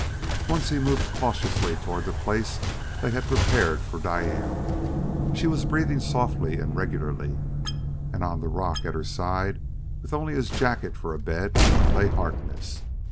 Once he moved cautiously toward the place they had prepared for Diane. She was breathing softly and regularly. And on the rock at her side, with only his jacket for a bed, lay Harkness.